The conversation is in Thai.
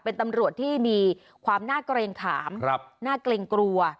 เป็นตำรวจที่มีความน่าเกรงถามน่าเกรงกลัว